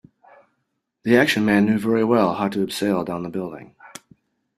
The action man knew very well how to abseil down the building